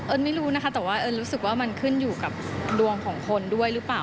ไม่รู้นะคะแต่ว่าเอิญรู้สึกว่ามันขึ้นอยู่กับดวงของคนด้วยหรือเปล่า